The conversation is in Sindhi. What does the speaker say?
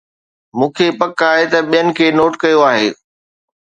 مون کي پڪ آهي ته ٻين کي نوٽ ڪيو آهي